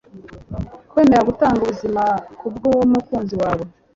Kwemera gutanga ubuzima kubw' umukunzi wawe